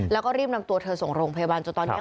แล้วก็รีบนำตัวเธอส่งโรงพยาบาลจนตอนนี้